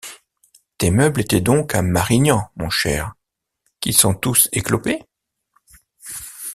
Tes meubles étaient donc à Marignan, mon cher, Qu’ils sont tous éclopés?